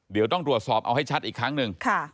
เดี๋ยวต้องตรวจสอบเอาให้ชัดอีกครั้งหนึ่ง